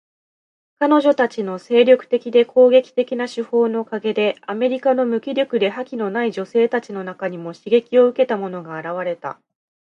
彼女たちの精力的で攻撃的な手法のおかげで、アメリカの無気力で覇気のない女性たちの中にも刺激を受けた者が現れた。